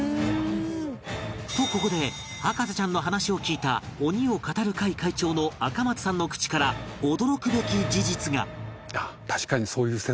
とここで博士ちゃんの話を聞いた鬼を語る会会長の赤松さんの口から驚くべき事実が